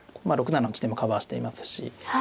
まあ６七の地点もカバーしていますし。